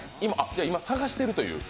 今、探してるという？